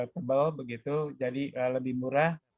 tebal begitu jadi lebih murah